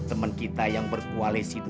jangan lari jangan lari dari aku